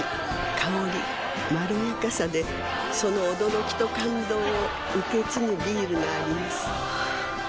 香りまろやかさでその驚きと感動を受け継ぐビールがあります